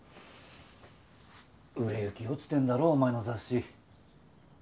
売れ行き落ちてんだろお前の雑誌。